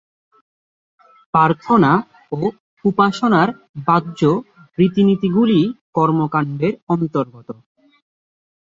প্রার্থনা ও উপাসনার বাহ্য রীতিনীতিগুলি কর্মকাণ্ডের অন্তর্গত।